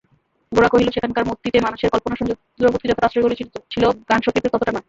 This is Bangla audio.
গোরা কহিল, সেখানকার মূর্তিতে মানুষের কল্পনা সৌন্দর্যবোধকে যতটা আশ্রয় করেছিল জ্ঞানভক্তিকে ততটা নয়।